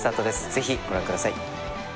ぜひご覧ください